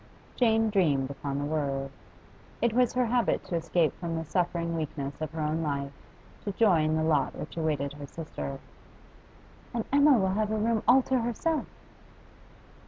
Jane dreamed upon the word. It was her habit to escape from the suffering weakness of her own life to joy in the lot which awaited her sister. 'And Emma will have a room all to herself?